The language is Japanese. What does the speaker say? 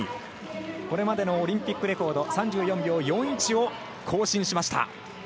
これまでのオリンピックレコード３４秒４１を更新しました。